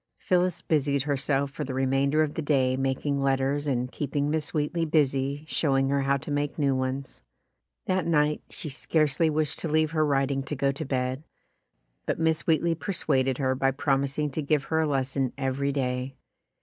Phillis busied herself for the remainder of the day making letters and keep ing Miss Wheatley busy showing her how to make new ones. That night she scarcely wished to leave her writing to go to bed, but Miss Wheatley per suaded her by promising to give her a lesson every day.